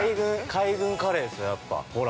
海軍カレーっすよ、やっぱ、ほら。